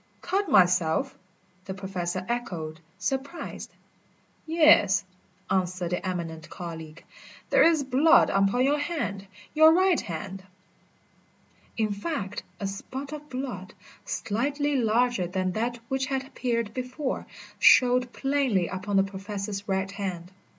"Cut myself?" the Professor echoed, surprised. "Yes," answered the eminent colleague, "there is blood upon your hand your right hand." In fact a spot of blood, slightly larger than that which had appeared before, showed plainly upon the Professor's right hand.